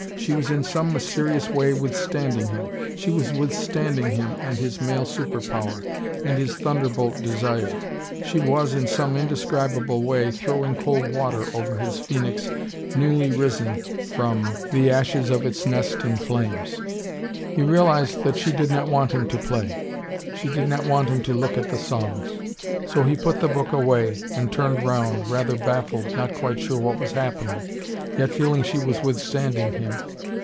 She was in some mysterious way withstanding him. She was withstanding him, and his male super power, and his thunderbolt desire. She was, in some indescribable way, throwing cold water over his phoenix newly risen from the ashes of its nest in flames. He realised that she did not want him to play. She did not want him to look at the songs. So he put the book away, and turned round, rather baffled, not quite sure what was happening, yet feeling she was withstanding him.